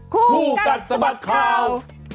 คู่กัดสะบัดข่าว